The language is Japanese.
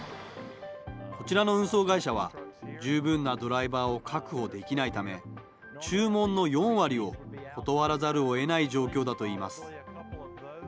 こちらの運送会社は、十分なドライバーを確保できないため、注文の４割を断らざるをえない状況だといいます。